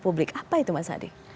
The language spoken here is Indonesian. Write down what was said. publik apa itu mas adi